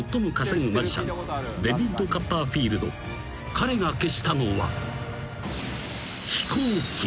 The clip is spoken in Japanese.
［彼が消したのは］